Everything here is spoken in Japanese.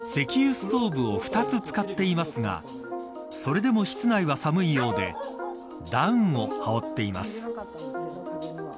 石油ストーブを２つ使っていますがそれでも室内は寒いようでダウンを羽織っています。